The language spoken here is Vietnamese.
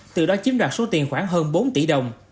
từ đó chiếm đoạt số tiền khoảng hơn bốn tỷ đồng